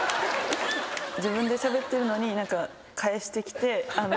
自分でしゃべってるのに返してきて。